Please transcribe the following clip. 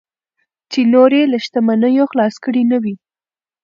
چې نور یې له شتمنیو خلاص کړي نه وي.